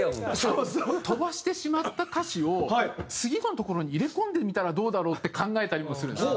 飛ばしてしまった歌詞を次の所に入れ込んでみたらどうだろう？って考えたりもするんです。